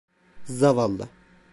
Zavallı.